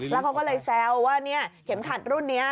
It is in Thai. แล้วเขาก็เลยแซวว่าเข็มขัดรุ่นนี้